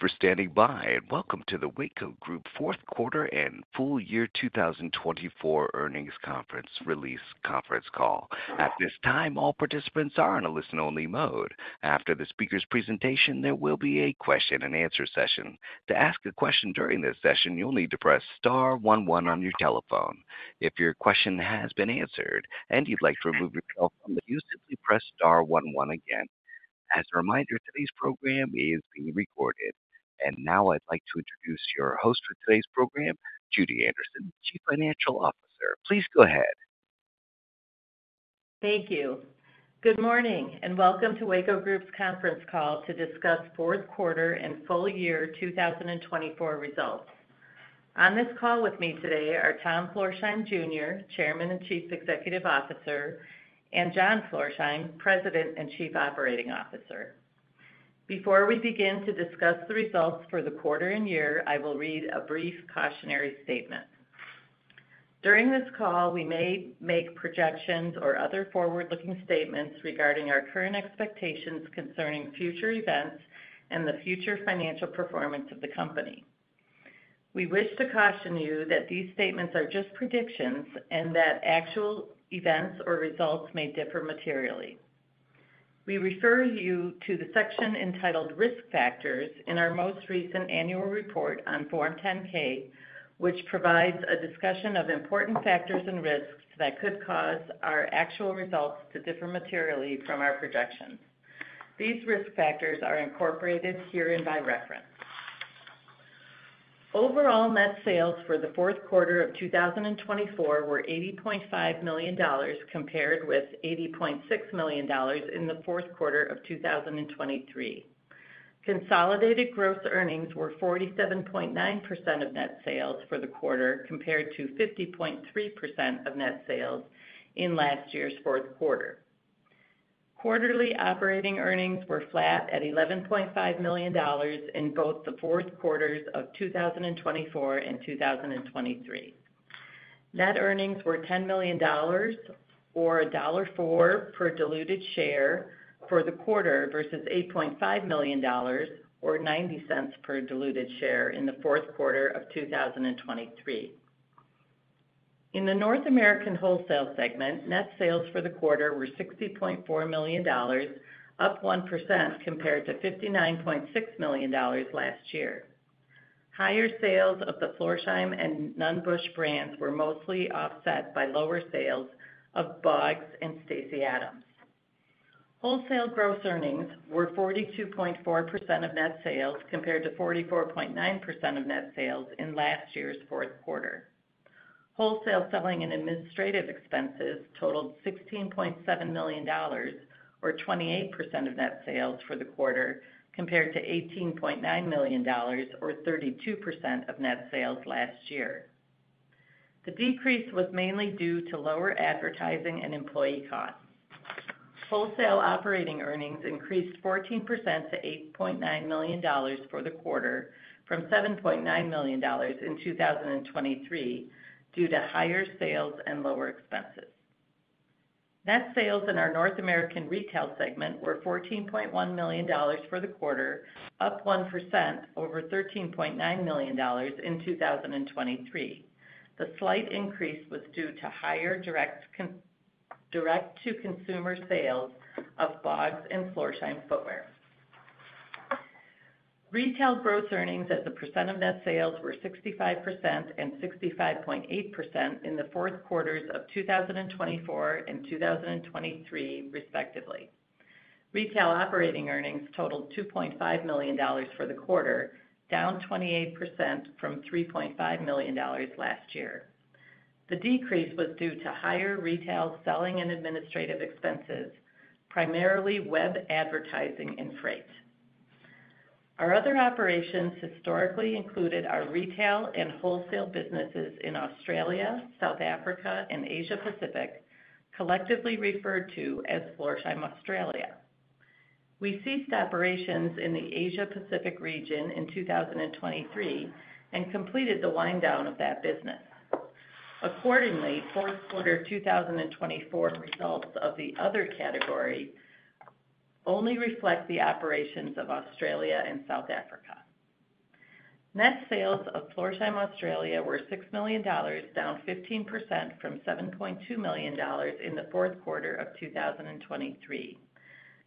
Thanks for standing by, and welcome to the Weyco Group fourth quarter and full year 2024 earnings conference release conference call. At this time, all participants are in a listen-only mode. After the speaker's presentation, there will be a question-and-answer session. To ask a question during this session, you'll need to press star one one on your telephone. If your question has been answered and you'd like to remove yourself from the queue, simply press star one one again. As a reminder, today's program is being recorded. Now I'd like to introduce your host for today's program, Judy Anderson, Chief Financial Officer. Please go ahead. Thank you. Good morning and welcome to Weyco Group's conference call to discuss fourth quarter and full year 2024 results. On this call with me today are Tom Florsheim Jr., Chairman and Chief Executive Officer, and John Florsheim, President and Chief Operating Officer. Before we begin to discuss the results for the quarter and year, I will read a brief cautionary statement. During this call, we may make projections or other forward-looking statements regarding our current expectations concerning future events and the future financial performance of the company. We wish to caution you that these statements are just predictions and that actual events or results may differ materially. We refer you to the section entitled Risk Factors in our most recent annual report on Form 10-K, which provides a discussion of important factors and risks that could cause our actual results to differ materially from our projections. These risk factors are incorporated here and by reference. Overall net sales for the fourth quarter of 2024 were $80.5 million compared with $80.6 million in the fourth quarter of 2023. Consolidated gross earnings were 47.9% of net sales for the quarter compared to 50.3% of net sales in last year's fourth quarter. Quarterly operating earnings were flat at $11.5 million in both the fourth quarters of 2024 and 2023. Net earnings were $10 million or $1.04 per diluted share for the quarter versus $8.5 million or $0.90 per diluted share in the fourth quarter of 2023. In the North American wholesale segment, net sales for the quarter were $60.4 million, up 1% compared to $59.6 million last year. Higher sales of the Florsheim and Nunn Bush brands were mostly offset by lower sales of Bogs and Stacy Adams. Wholesale gross earnings were 42.4% of net sales compared to 44.9% of net sales in last year's fourth quarter. Wholesale selling and administrative expenses totaled $16.7 million or 28% of net sales for the quarter compared to $18.9 million or 32% of net sales last year. The decrease was mainly due to lower advertising and employee costs. Wholesale operating earnings increased 14% to $8.9 million for the quarter from $7.9 million in 2023 due to higher sales and lower expenses. Net sales in our North American retail segment were $14.1 million for the quarter, up 1% over $13.9 million in 2023. The slight increase was due to higher direct-to-consumer sales of Bogs and Florsheim footwear. Retail gross earnings as a percent of net sales were 65% and 65.8% in the fourth quarters of 2024 and 2023, respectively. Retail operating earnings totaled $2.5 million for the quarter, down 28% from $3.5 million last year. The decrease was due to higher retail selling and administrative expenses, primarily web advertising and freight. Our other operations historically included our retail and wholesale businesses in Australia, South Africa, and Asia-Pacific, collectively referred to as Florsheim Australia. We ceased operations in the Asia-Pacific region in 2023 and completed the wind-down of that business. Accordingly, fourth quarter 2024 results of the other category only reflect the operations of Australia and South Africa. Net sales of Florsheim Australia, were $6 million, down 15% from $7.2 million in the fourth quarter of 2023.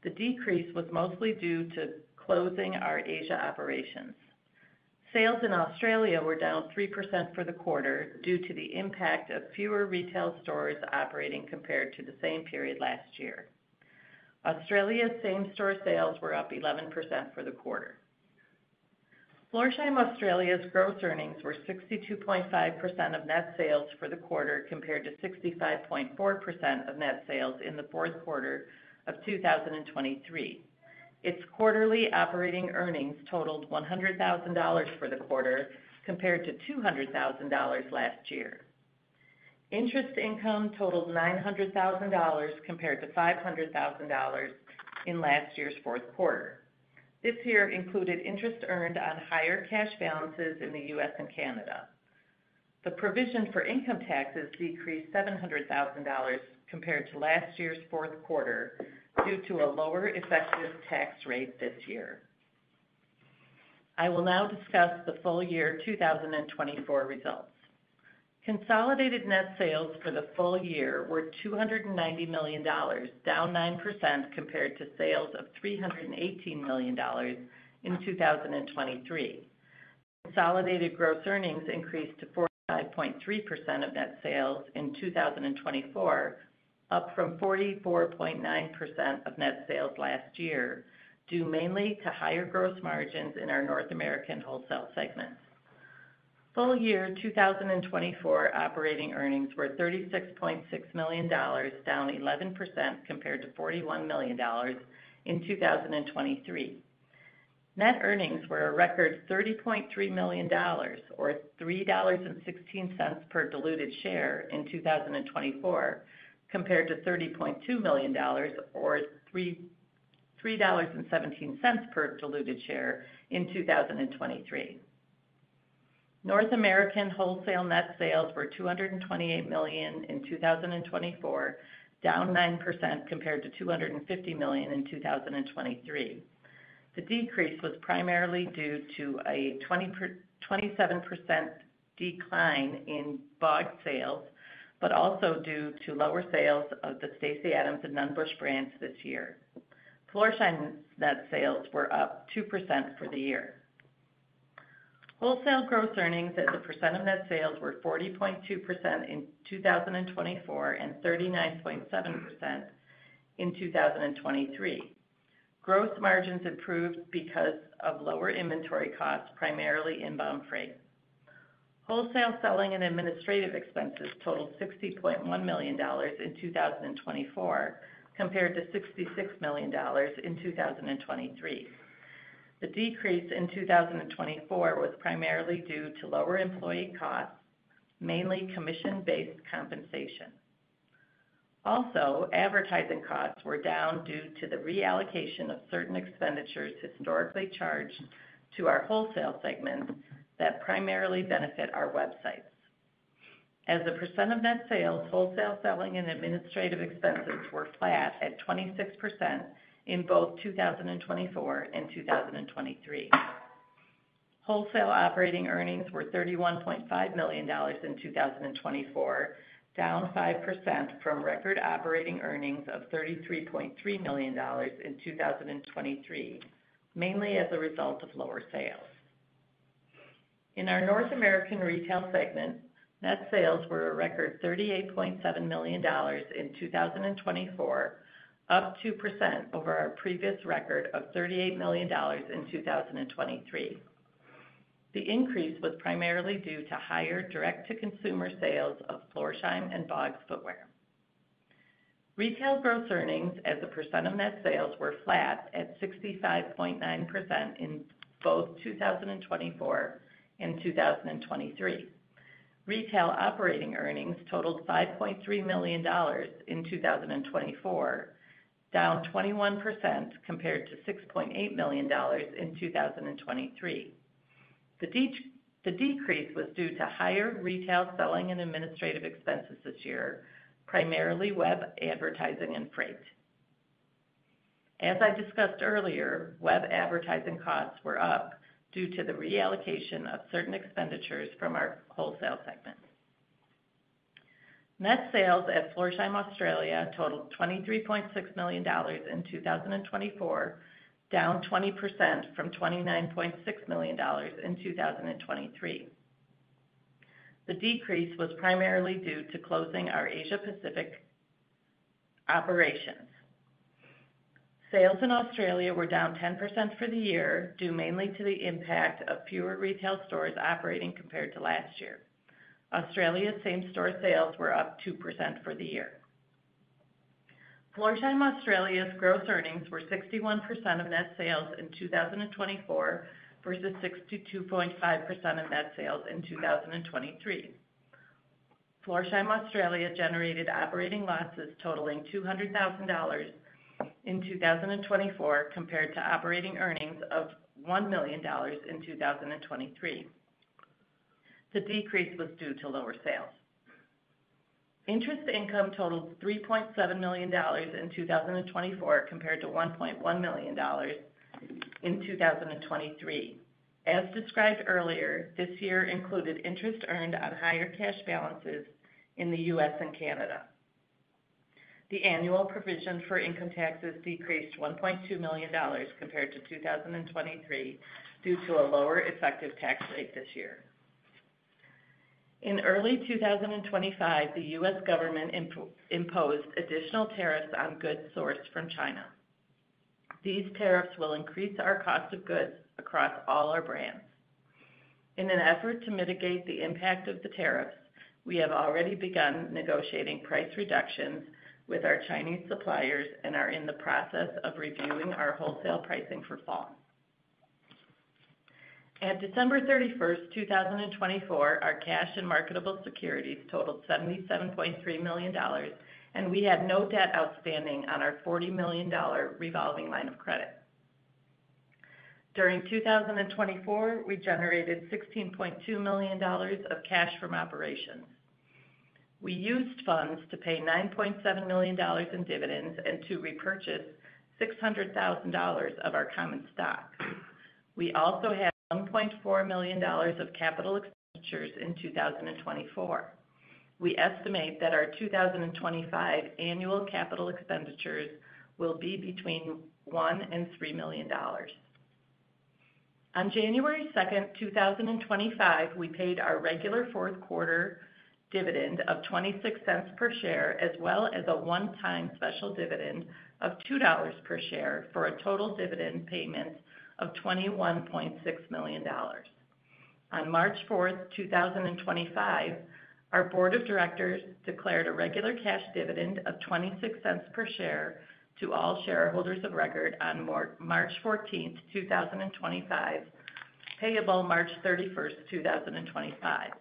The decrease was mostly due to closing our Asia operations. Sales in Australia were down 3% for the quarter due to the impact of fewer retail stores operating compared to the same period last year. Australia's same-store sales were up 11% for the quarter. Florsheim Australia's gross earnings were 62.5% of net sales for the quarter compared to 65.4% of net sales in the fourth quarter of 2023. Its quarterly operating earnings totaled $100,000 for the quarter compared to $200,000 last year. Interest income totaled $900,000 compared to $500,000 in last year's fourth quarter. This year included interest earned on higher cash balances in the U.S. and Canada. The provision for income taxes decreased $700,000 compared to last year's fourth quarter due to a lower effective tax rate this year. I will now discuss the full year 2024 results. Consolidated net sales for the full year were $290 million, down 9% compared to sales of $318 million in 2023. Consolidated gross earnings increased to 45.3% of net sales in 2024, up from 44.9% of net sales last year, due mainly to higher gross margins in our North American wholesale segment. Full year 2024 operating earnings were $36.6 million, down 11% compared to $41 million in 2023. Net earnings were a record $30.3 million or $3.16 per diluted share in 2024, compared to $30.2 million or $3.17 per diluted share in 2023. North American wholesale net sales were $228 million in 2024, down 9% compared to $250 million in 2023. The decrease was primarily due to a 27% decline in Bogs sales, but also due to lower sales of the Stacy Adams and Nunn Bush brands this year. Florsheim's net sales were up 2% for the year. Wholesale gross earnings as a percent of net sales were 40.2% in 2024 and 39.7% in 2023. Gross margins improved because of lower inventory costs, primarily inbound freight. Wholesale selling and administrative expenses totaled $60.1 million in 2024, compared to $66 million in 2023. The decrease in 2024 was primarily due to lower employee costs, mainly commission-based compensation. Also, advertising costs were down due to the reallocation of certain expenditures historically charged to our wholesale segment that primarily benefit our websites. As a percent of net sales, wholesale selling and administrative expenses were flat at 26% in both 2024 and 2023. Wholesale operating earnings were $31.5 million in 2024, down 5% from record operating earnings of $33.3 million in 2023, mainly as a result of lower sales. In our North American retail segment, net sales were a record $38.7 million in 2024, up 2% over our previous record of $38 million in 2023. The increase was primarily due to higher direct-to-consumer sales of Florsheim and Bogs footwear. Retail gross earnings as a percent of net sales were flat at 65.9% in both 2024 and 2023. Retail operating earnings totaled $5.3 million in 2024, down 21% compared to $6.8 million in 2023. The decrease was due to higher retail selling and administrative expenses this year, primarily web advertising and freight. As I discussed earlier, web advertising costs were up due to the reallocation of certain expenditures from our wholesale segment. Net sales at Florsheim, Australia, totaled $23.6 million in 2024, down 20% from $29.6 million in 2023. The decrease was primarily due to closing our Asia-Pacific operations. Sales in Australia were down 10% for the year, due mainly to the impact of fewer retail stores operating compared to last year. Australia's same-store sales were up 2% for the year. Florsheim, Australia's gross earnings were 61% of net sales in 2024 versus 62.5% of net sales in 2023. Florsheim, Australia generated operating losses totaling $200,000 in 2024 compared to operating earnings of $1 million in 2023. The decrease was due to lower sales. Interest income totaled $3.7 million in 2024 compared to $1.1 million in 2023. As described earlier, this year included interest earned on higher cash balances in the U.S. and Canada. The annual provision for income taxes decreased $1.2 million compared to 2023 due to a lower effective tax rate this year. In early 2025, the U.S. government imposed additional tariffs on goods sourced from China. These tariffs will increase our cost of goods across all our brands. In an effort to mitigate the impact of the tariffs, we have already begun negotiating price reductions with our Chinese suppliers and are in the process of reviewing our wholesale pricing for fall. At December 31, 2024, our cash and marketable securities totaled $77.3 million, and we had no debt outstanding on our $40 million revolving line of credit. During 2024, we generated $16.2 million of cash from operations. We used funds to pay $9.7 million in dividends and to repurchase $600,000 of our common stock. We also had $1.4 million of capital expenditures in 2024. We estimate that our 2025 annual capital expenditures will be between $1 million-$3 million. On January 2, 2025, we paid our regular fourth quarter dividend of $0.26 per share, as well as a one-time special dividend of $2 per share for a total dividend payment of $21.6 million. On March 4, 2025, our Board of Directors declared a regular cash dividend of $0.26 per share to all shareholders of record on March 14, 2025, payable March 31, 2025.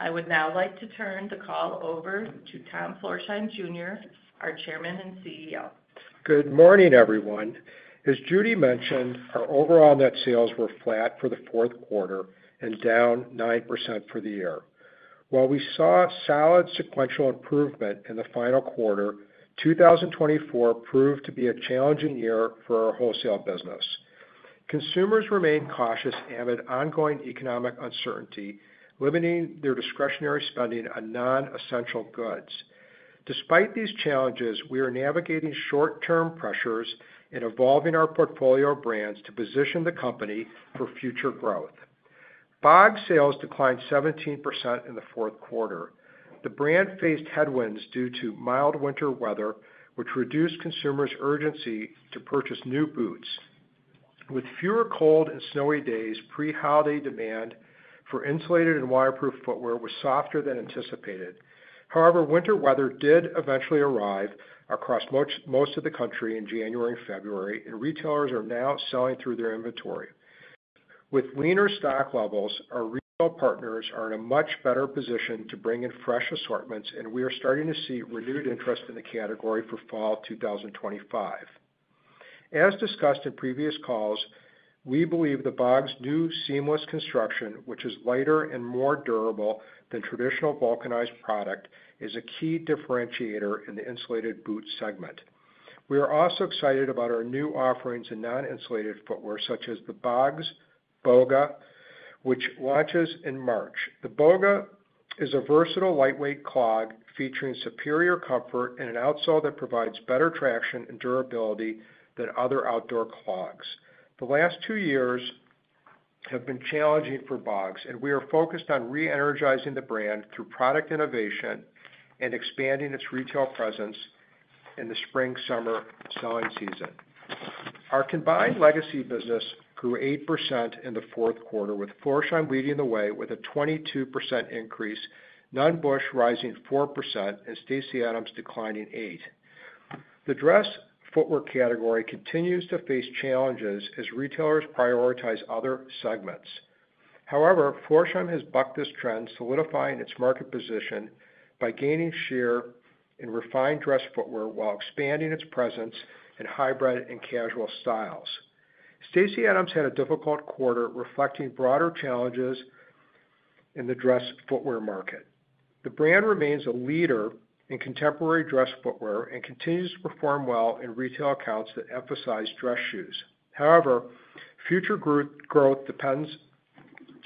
I would now like to turn the call over to Tom Florsheim Jr., our Chairman and CEO. Good morning, everyone. As Judy mentioned, our overall net sales were flat for the fourth quarter and down 9% for the year. While we saw solid sequential improvement in the final quarter, 2024 proved to be a challenging year for our wholesale business. Consumers remain cautious amid ongoing economic uncertainty, limiting their discretionary spending on non-essential goods. Despite these challenges, we are navigating short-term pressures and evolving our portfolio of brands to position the company for future growth. Bogs sales declined 17% in the fourth quarter. The brand faced headwinds due to mild winter weather, which reduced consumers' urgency to purchase new boots. With fewer cold and snowy days, pre-holiday demand for insulated and waterproof footwear was softer than anticipated. However, winter weather did eventually arrive across most of the country in January and February, and retailers are now selling through their inventory. With leaner stock levels, our retail partners are in a much better position to bring in fresh assortments, and we are starting to see renewed interest in the category for fall 2025. As discussed in previous calls, we believe the Bogs new seamless construction, which is lighter and more durable than traditional vulcanized product, is a key differentiator in the insulated boot segment. We are also excited about our new offerings in non-insulated footwear, such as the Bogs Boga, which launches in March. The Boga is a versatile, lightweight clog featuring superior comfort and an outsole that provides better traction and durability than other outdoor clogs. The last two years have been challenging for Bogs, and we are focused on re-energizing the brand through product innovation and expanding its retail presence in the spring-summer selling season. Our combined legacy business grew 8% in the fourth quarter, with Florsheim leading the way with a 22% increase, Nunn Bush rising 4%, and Stacy Adams declining 8%. The dress footwear category continues to face challenges as retailers prioritize other segments. However, Florsheim has bucked this trend, solidifying its market position by gaining share in refined dress footwear while expanding its presence in hybrid and casual styles. Stacy Adams had a difficult quarter, reflecting broader challenges in the dress footwear market. The brand remains a leader in contemporary dress footwear and continues to perform well in retail accounts that emphasize dress shoes. However, future growth depends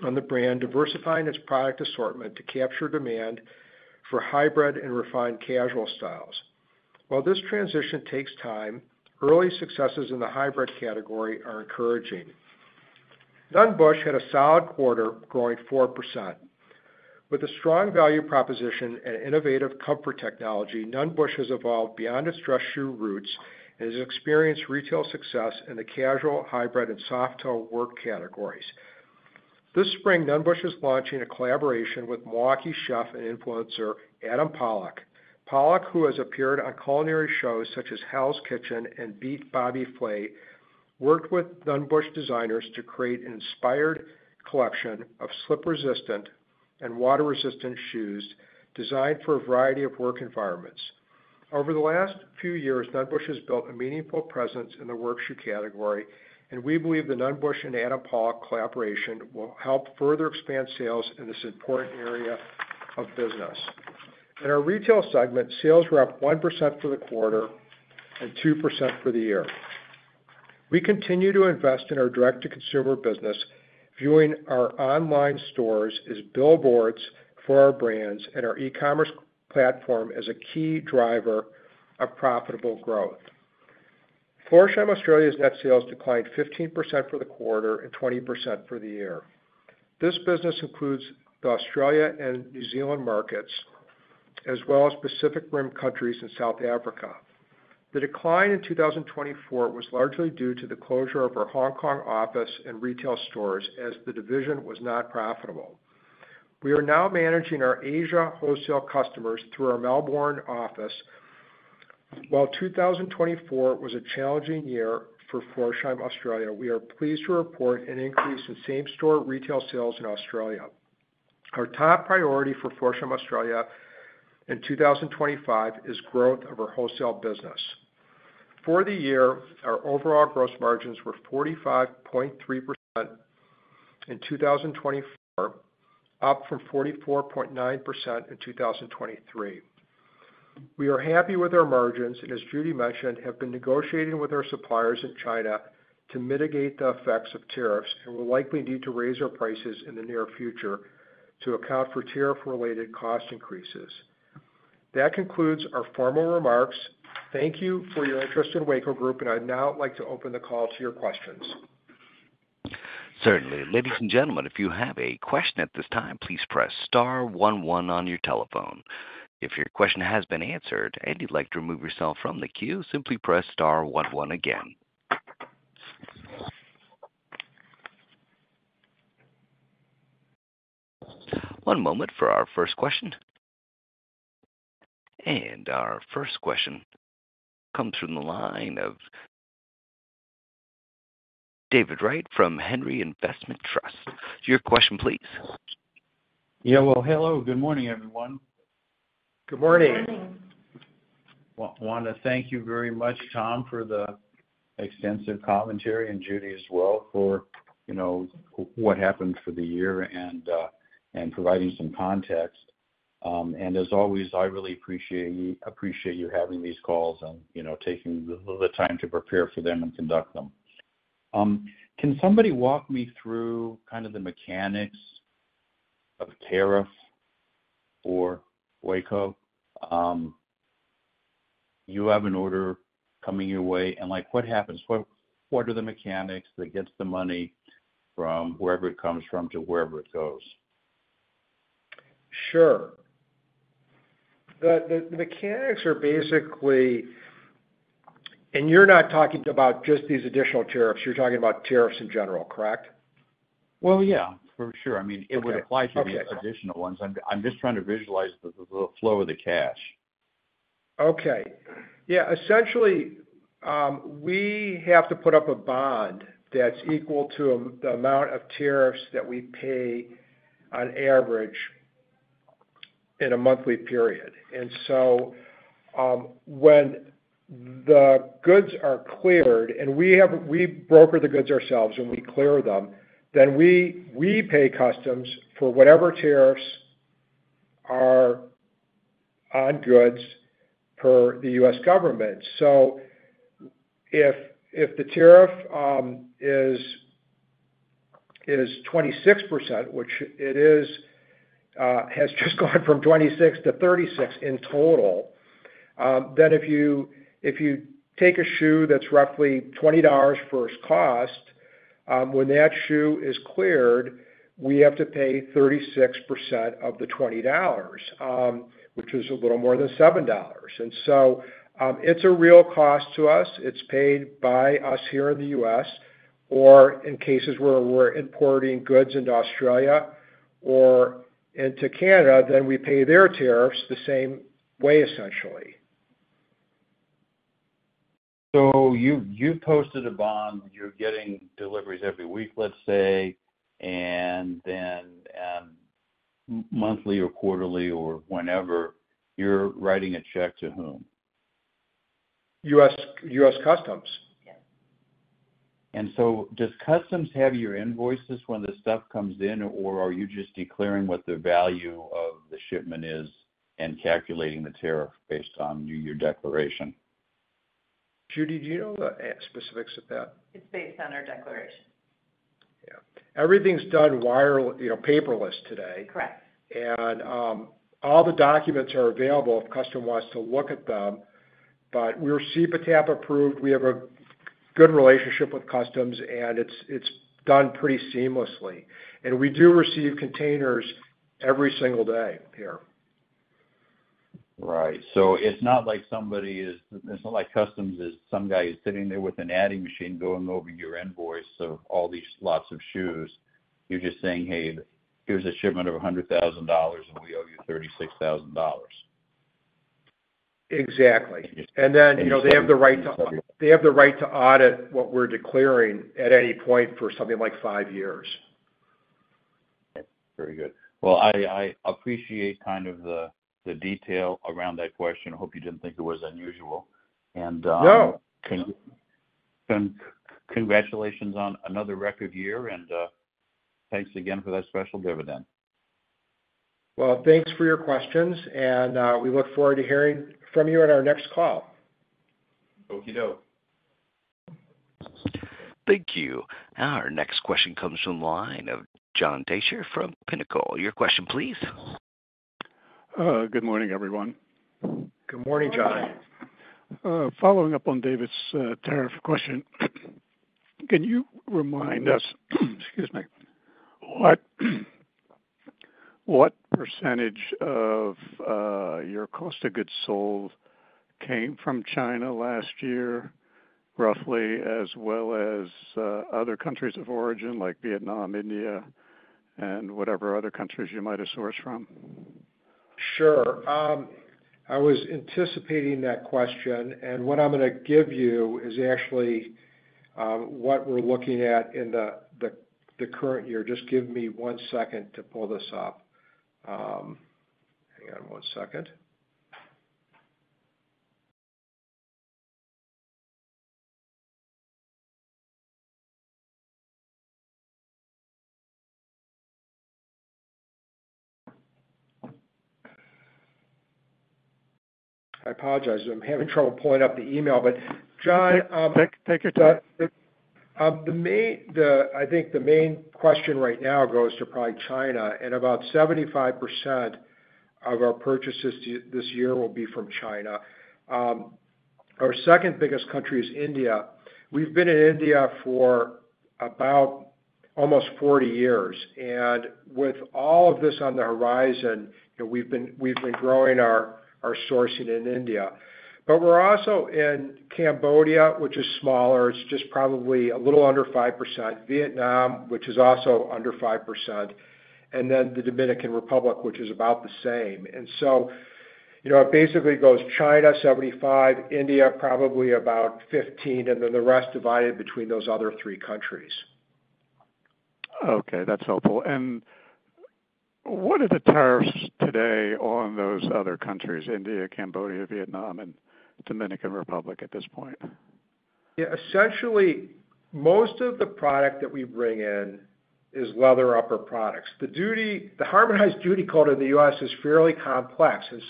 on the brand diversifying its product assortment to capture demand for hybrid and refined casual styles. While this transition takes time, early successes in the hybrid category are encouraging. Nunn Bush had a solid quarter, growing 4%. With a strong value proposition and innovative comfort technology, Nunn Bush has evolved beyond its dress shoe roots and has experienced retail success in the casual, hybrid, and soft-toe work categories. This spring, Nunn Bush is launching a collaboration with Milwaukee chef and influencer Adam Pawlak. Pawlak, who has appeared on culinary shows such as Hell's Kitchen and Beat Bobby Flay, worked with Nunn Bush designers to create an inspired collection of slip-resistant and water-resistant shoes designed for a variety of work environments. Over the last few years, Nunn Bush has built a meaningful presence in the work shoe category, and we believe the Nunn Bush and Adam Pawlak collaboration will help further expand sales in this important area of business. In our retail segment, sales were up 1% for the quarter and 2% for the year. We continue to invest in our direct-to-consumer business, viewing our online stores as billboards for our brands, and our e-commerce platform as a key driver of profitable growth. Florsheim Australia's net sales declined 15% for the quarter and 20% for the year. This business includes the Australia and New Zealand markets, as well as Pacific Rim countries and South Africa. The decline in 2024 was largely due to the closure of our Hong Kong office and retail stores as the division was not profitable. We are now managing our Asia wholesale customers through our Melbourne office. While 2024 was a challenging year for Florsheim Australia, we are pleased to report an increase in same-store retail sales in Australia. Our top priority for Florsheim Australia in 2025 is growth of our wholesale business. For the year, our overall gross margins were 45.3% in 2024, up from 44.9% in 2023. We are happy with our margins, and as Judy mentioned, have been negotiating with our suppliers in China to mitigate the effects of tariffs and will likely need to raise our prices in the near future to account for tariff-related cost increases. That concludes our formal remarks. Thank you for your interest in Weyco Group, and I'd now like to open the call to your questions. Certainly. Ladies and gentlemen, if you have a question at this time, please press star one one on your telephone. If your question has been answered and you'd like to remove yourself from the queue, simply press star one one again. One moment for our first question. Our first question comes from the line of David Wright from Henry Investment Trust. Your question, please. Yeah. Hello. Good morning, everyone. Good morning. Morning. Want to thank you very much, Tom, for the extensive commentary, and Judy as well for what happened for the year and providing some context. As always, I really appreciate you having these calls and taking the time to prepare for them and conduct them. Can somebody walk me through kind of the mechanics of tariff for Weyco? You have an order coming your way, and what happens? What are the mechanics that gets the money from wherever it comes from to wherever it goes? Sure. The mechanics are basically—you are not talking about just these additional tariffs. You are talking about tariffs in general, correct? Yeah, for sure. I mean, it would apply to the additional ones. I am just trying to visualize the flow of the cash. Okay. Essentially, we have to put up a bond that is equal to the amount of tariffs that we pay on average in a monthly period. When the goods are cleared—and we broker the goods ourselves when we clear them—we pay customs for whatever tariffs are on goods per the U.S. government. If the tariff is 26%, which it has just gone from 26% to 36% in total, then if you take a shoe that is roughly $20 first cost, when that shoe is cleared, we have to pay 36% of the $20, which is a little more than $7. It is a real cost to us. It is paid by us here in the U.S. In cases where we are importing goods into Australia or into Canada, we pay their tariffs the same way, essentially. You have posted a bond. You are getting deliveries every week, let's say, and then monthly or quarterly or whenever. You are writing a check to whom? U.S. Customs. Does Customs have your invoices when the stuff comes in, or are you just declaring what the value of the shipment is and calculating the tariff based on your declaration? Judy, do you know the specifics of that? It is based on our declaration. Yeah. Everything is done paperless today. All the documents are available if Customs wants to look at them. We are C-TPAT approved. We have a good relationship with Customs, and it is done pretty seamlessly. We do receive containers every single day here. Right. It is not like Customs is some guy sitting there with an adding machine going over your invoice of all these lots of shoes. You are just saying, "Hey, here is a shipment of $100,000, and we owe you $36,000." Exactly. They have the right to audit what we are declaring at any point for something like five years. I appreciate kind of the detail around that question. I hope you did not think it was unusual. Congratulations on another record year, and thanks again for that special dividend. Thanks for your questions, and we look forward to hearing from you on our next call. Okey-doke. Thank you. Our next question comes from the line of John Deysher from Pinnacle. Your question, please. Good morning, everyone. Good morning, John. Following up on David's tariff question, can you remind us—excuse me—what percentage of your cost of goods sold came from China last year, roughly, as well as other countries of origin like Vietnam, India, and whatever other countries you might have sourced from? Sure. I was anticipating that question, and what I'm going to give you is actually what we're looking at in the current year. Just give me one second to pull this up. Hang on one second. I apologize. I'm having trouble pulling up the email, but John— Take your time. I think the main question right now goes to probably China, and about 75% of our purchases this year will be from China. Our second biggest country is India. We've been in India for almost 40 years. With all of this on the horizon, we've been growing our sourcing in India. We're also in Cambodia, which is smaller. It's just probably a little under 5%. Vietnam, which is also under 5%. The Dominican Republic, which is about the same. It basically goes China 75, India probably about 15, and then the rest divided between those other three countries. Okay. That's helpful. What are the tariffs today on those other countries, India, Cambodia, Vietnam, and Dominican Republic at this point? Yeah. Essentially, most of the product that we bring in is leather upper products. The harmonized duty code in the U.S. is fairly complex, and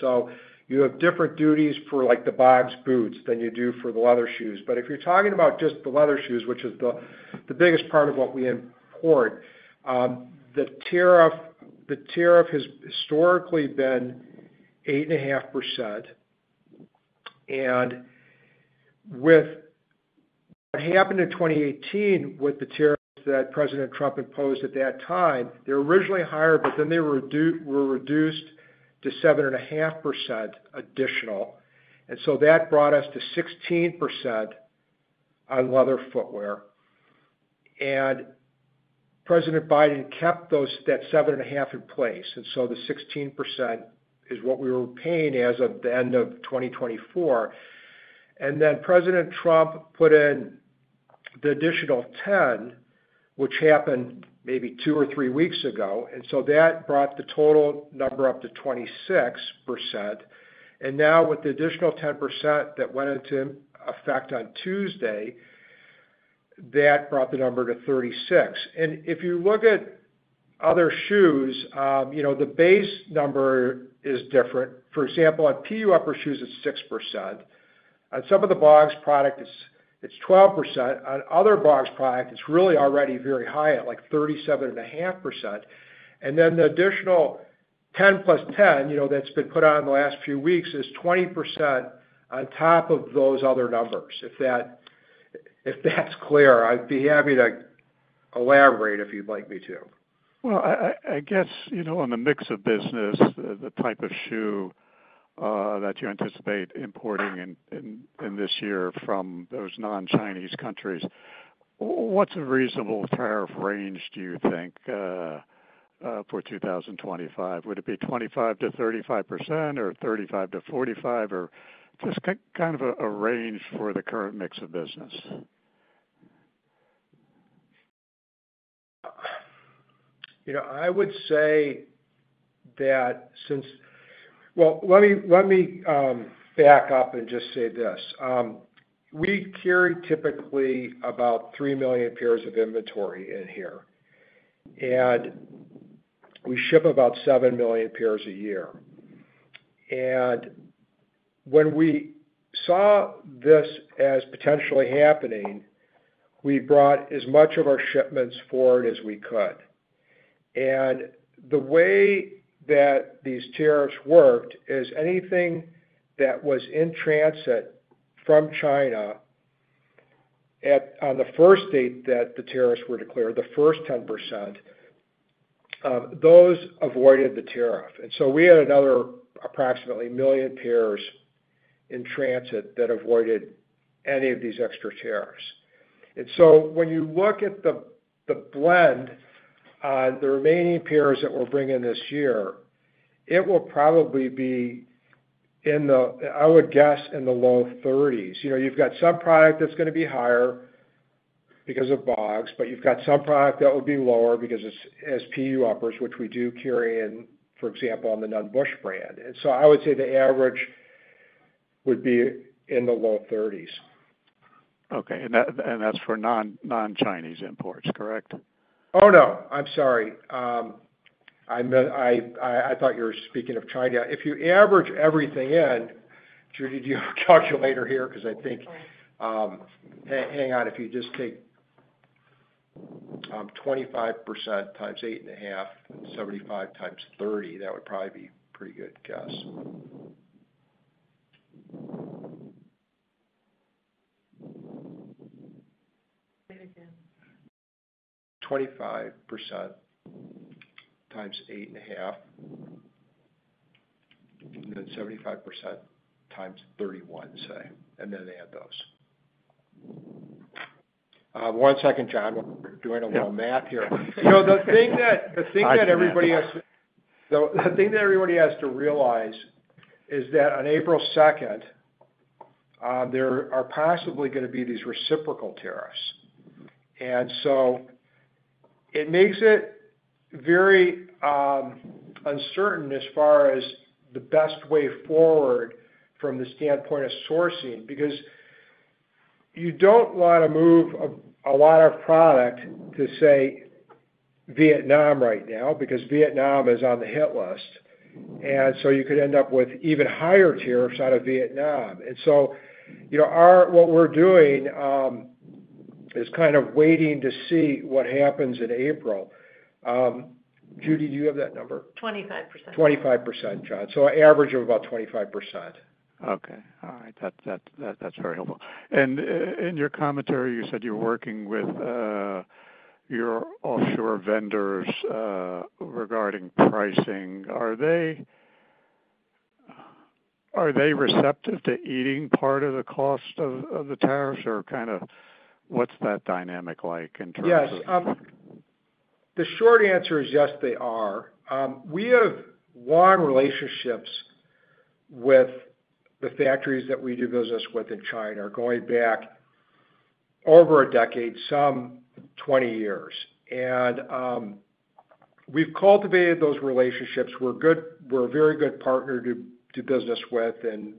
you have different duties for the Bogs boots than you do for the leather shoes. If you're talking about just the leather shoes, which is the biggest part of what we import, the tariff has historically been 8.5%. With what happened in 2018 with the tariffs that President Trump imposed at that time, they were originally higher, but then they were reduced to 7.5% additional. That brought us to 16% on leather footwear. President Biden kept that 7.5% in place, so the 16% is what we were paying as of the end of 2024. President Trump put in the additional 10%, which happened maybe two or three weeks ago, so that brought the total number up to 26%. Now with the additional 10% that went into effect on Tuesday, that brought the number to 36%. If you look at other shoes, the base number is different. For example, on PU upper shoes, it is 6%. On some of the Bogs products, it is 12%. On other Bogs products, it is really already very high at like 37.5%. The additional 10% plus 10% that's been put on in the last few weeks is 20% on top of those other numbers. If that's clear, I'd be happy to elaborate if you'd like me to. I guess on the mix of business, the type of shoe that you anticipate importing in this year from those non-Chinese countries, what's a reasonable tariff range, do you think, for 2025? Would it be 25%-35% or 35%-45% or just kind of a range for the current mix of business? I would say that since—let me back up and just say this. We carry typically about 3 million pairs of inventory in here, and we ship about 7 million pairs a year. When we saw this as potentially happening, we brought as much of our shipments forward as we could. The way that these tariffs worked is anything that was in transit from China on the first date that the tariffs were declared, the first 10%, those avoided the tariff. We had another approximately one million pairs in transit that avoided any of these extra tariffs. When you look at the blend on the remaining pairs that we are bringing this year, it will probably be, I would guess, in the low 30%. You have some product that is going to be higher because of Bogs, but you have some product that will be lower because it is PU uppers, which we do carry in, for example, on the Nunn Bush brand. I would say the average would be in the low 30%. Okay. That is for non-Chinese imports, correct? Oh, no. I am sorry. I thought you were speaking of China. If you average everything in, Judy, do you have a calculator here? Because I think—hang on. If you just take 25% times 8.5% and 75% times 30%, that would probably be a pretty good guess. 25% times 8.5%, and then 75% times 31%, say. And then add those. One second, John. We're doing a little math here. The thing that everybody has—the thing that everybody has to realize is that on April 2, there are possibly going to be these reciprocal tariffs. It makes it very uncertain as far as the best way forward from the standpoint of sourcing because you do not want to move a lot of product to, say, Vietnam right now because Vietnam is on the hit list. You could end up with even higher tariffs out of Vietnam. What we are doing is kind of waiting to see what happens in April. Judy, do you have that number? 25%. 25%, John. An average of about 25%. All right. That is very helpful. In your commentary, you said you are working with your offshore vendors regarding pricing. Are they receptive to eating part of the cost of the tariffs, or what is that dynamic like in terms of— yes. The short answer is yes, they are. We have long relationships with the factories that we do business with in China going back over a decade, some 20 years. We have cultivated those relationships. We are a very good partner to do business with, and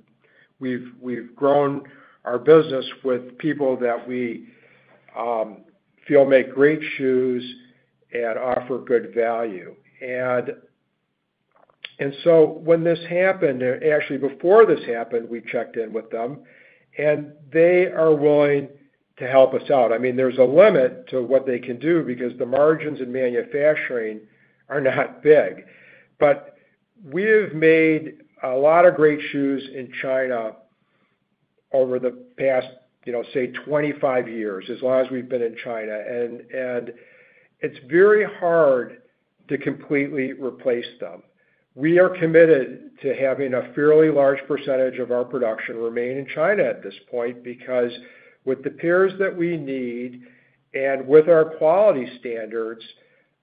we have grown our business with people that we feel make great shoes and offer good value. When this happened—actually, before this happened, we checked in with them, and they are willing to help us out. I mean, there is a limit to what they can do because the margins in manufacturing are not big. We have made a lot of great shoes in China over the past, say, 25 years, as long as we have been in China. It is very hard to completely replace them. We are committed to having a fairly large percentage of our production remain in China at this point because with the pairs that we need and with our quality standards,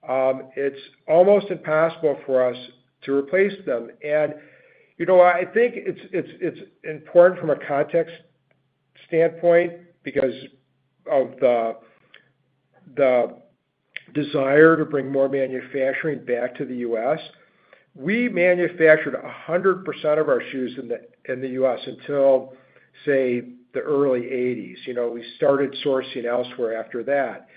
it is almost impossible for us to replace them. I think it is important from a context standpoint because of the desire to bring more manufacturing back to the U.S. We manufactured 100% of our shoes in the U.S. until, say, the early 1980s. We started sourcing elsewhere after that.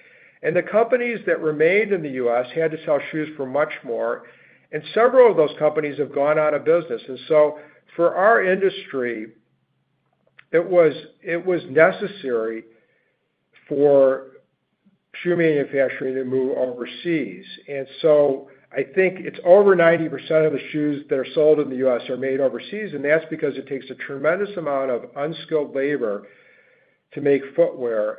The companies that remained in the U.S. had to sell shoes for much more, and several of those companies have gone out of business. For our industry, it was necessary for shoe manufacturing to move overseas. I think it's over 90% of the shoes that are sold in the U.S. are made overseas, and that's because it takes a tremendous amount of unskilled labor to make footwear.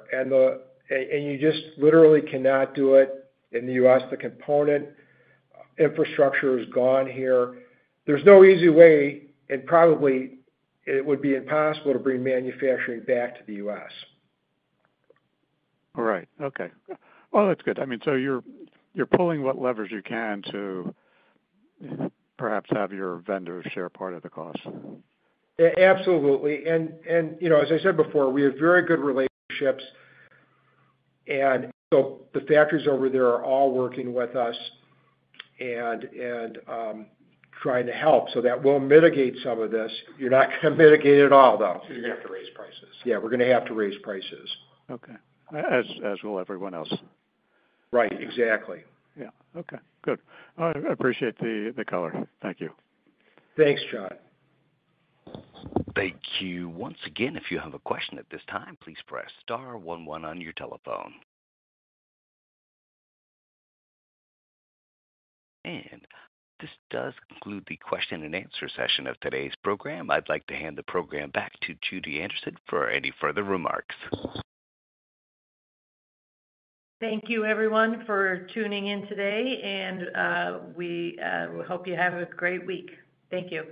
You just literally cannot do it in the U.S. The component infrastructure is gone here. There's no easy way, and probably it would be impossible to bring manufacturing back to the U.S. Right. Okay. That's good. I mean, you're pulling what levers you can to perhaps have your vendors share part of the cost. Absolutely. As I said before, we have very good relationships, and the factories over there are all working with us and trying to help. That will mitigate some of this. You're not going to mitigate it all, though. You're going to have to raise prices. Yeah. We're going to have to raise prices. Okay. As will everyone else. Right. Exactly. Yeah. Okay. Good. I appreciate the color. Thank you. Thanks, John. Thank you. Once again, if you have a question at this time, please press star one one on your telephone. This does conclude the question and answer session of today's program. I'd like to hand the program back to Judy Anderson for any further remarks. Thank you, everyone, for tuning in today, and we hope you have a great week. Thank you.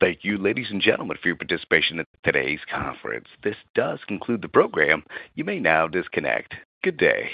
Thank you, ladies and gentlemen, for your participation in today's conference. This does conclude the program. You may now disconnect. Good day.